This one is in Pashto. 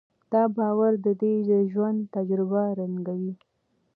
دا باور د ده د ژوند تجربه رنګوي.